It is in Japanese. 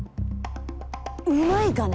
うまいかね？